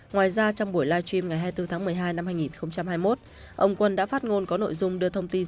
ngoài ra trong buổi live stream ngày hai mươi bốn tháng một mươi hai năm hai nghìn hai mươi một ông quân đã phát ngôn có nội dung đưa thông tin